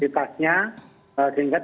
creator virusnya yang mereka ke signed people